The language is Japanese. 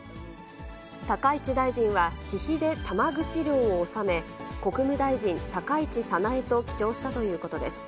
高市大臣は私費で玉串料を納め、国務大臣高市早苗と記帳したということです。